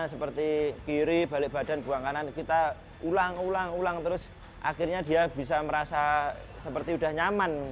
seperti kiri balik badan buang kanan kita ulang ulang ulang terus akhirnya dia bisa merasa seperti udah nyaman